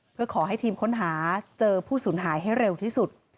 เพื่อขอให้ทีมค้นหาเจอผู้สูญหายให้เร็วที่สุด